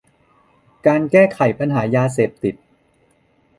การแก้ไขปัญหายาเสพติด